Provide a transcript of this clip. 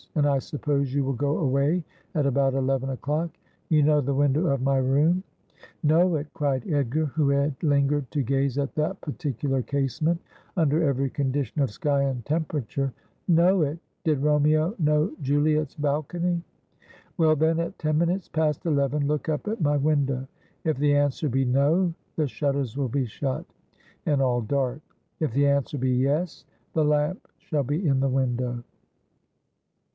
And I sup pose you will go away at about eleven o'clock. You know the window of my room?' 236 Asphodel. ' Know it !' cried Edgar, who had lingered to gaze at that particular casement under every condition of sky and tempera ture. ' Know it ? Did Romeo know Juliet's balcony ?' 'Well, then, at ten minutes past eleven look up at my window. If the answer be No, the shutters will be shut, and all dark ; if the answer be Yes, the lamp shall be in the window.'